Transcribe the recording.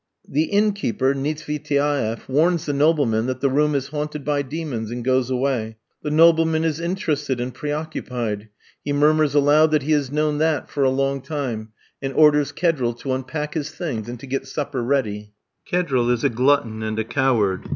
The innkeeper (Nietsvitaeff) warns the nobleman that the room is haunted by demons, and goes away; the nobleman is interested and preoccupied; he murmurs aloud that he has known that for a long time, and orders Kedril to unpack his things and to get supper ready. Kedril is a glutton and a coward.